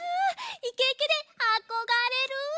イケイケであこがれる！